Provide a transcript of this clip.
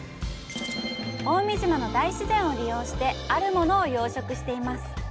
青海島の大自然を利用して「あるもの」を養殖しています！